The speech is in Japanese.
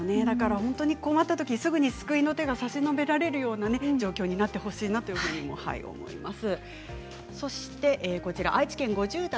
困ったときにすぐに救いの手が差し伸べられる状況になってほしいなと思います。